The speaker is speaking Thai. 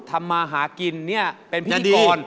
ทำมาหากินเนี่ยเป็นพิธีกร